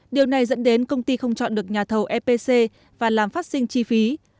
điều này dẫn đến công ty không chọn được nhà thầu epc và làm phát sinh chi phí